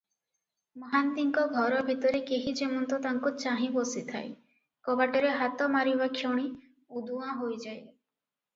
ମହାନ୍ତିଙ୍କ ଘର ଭିତରେ କେହି ଯେମନ୍ତ ତାକୁ ଚାହିଁ ବସିଥାଏ, କବାଟରେ ହାତ ମାରିବାକ୍ଷଣି ଉଦୁଆଁ ହୋଇଯାଏ ।